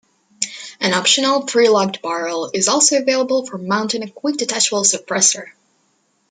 An optional three-lugged barrel is also available for mounting a quick-detachable suppressor.